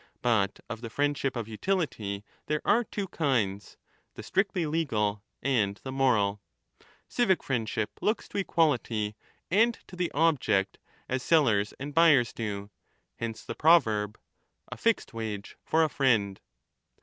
But of the friendship of utility there are two kinds, the strictly legal and the moral. Civic friendship looks to equality and to the object as sellers and buyers do ; hence the proverb ' a fixed wage for a friend